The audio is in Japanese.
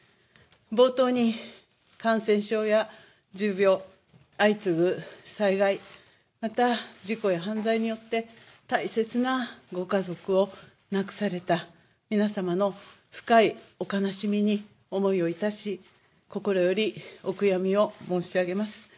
冒頭に感染症や重病、相次ぐ災害、また事故や犯罪によって大切なご家族を亡くされた皆様の深いお悲しみに思いを致し心よりお悔やみを申し上げます。